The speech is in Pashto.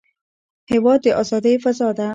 هېواد د ازادۍ فضا ده.